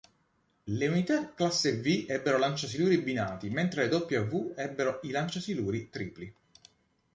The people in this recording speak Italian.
Le unità classe V ebbero lanciasiluri binati mentre le W ebbero i lanciasiluri tripli.